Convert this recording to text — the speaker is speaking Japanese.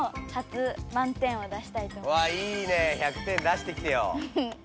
わいいね１００点出してきてよ。